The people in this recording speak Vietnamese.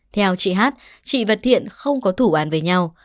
theo chị hát chị và thiện không có thủ án với nhau